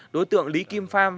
đối tượng lý kim pham